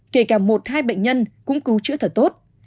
kể cả một hai bệnh nhân cũng cứu chữa thật tốt